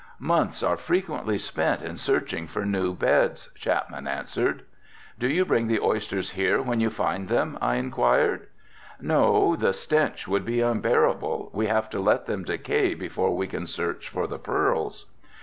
"Months are frequently spent in searching for new beds," Chapman answered. "Do you bring the oysters here when you find them?" I inquired. "No, the stench would be unbearable, we have to let them decay before we can search for the pearls."